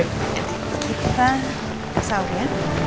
kita sahur ya